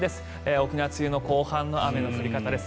沖縄、梅雨の後半の雨の降り方です。